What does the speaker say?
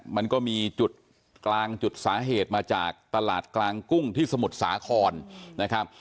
มันก็มีจุดกลางจุดสาเหตุมาจากตลาดกลางกุ้งที่สมุทรสาครนะครับ